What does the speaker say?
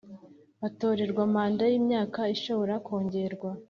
Batorerwa manda y imyaka ishobora kongerwa